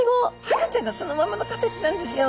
赤ちゃんがそのままの形なんですよ。